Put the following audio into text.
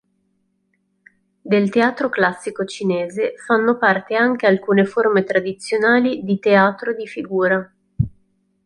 Del teatro classico cinese fanno parte anche alcune forme tradizionali di teatro di figura.